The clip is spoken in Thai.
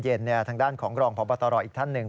ทางด้านของรองพบตรอีกท่านหนึ่ง